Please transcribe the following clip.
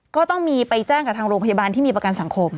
ก็ต้องมีไปแจ้งกับทางโรงพยาบาลที่มีประกันสังคม